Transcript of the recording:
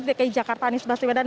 dan juga anies basiwedan